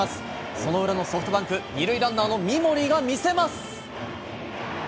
その裏のソフトバンク、２塁ランナーの三森が見せます。